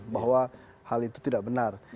bahwa hal itu tidak benar